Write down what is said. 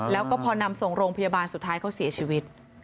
แล้วก็พอนำส่งโรงพยาบาลสุดท้ายเขาเสียชีวิต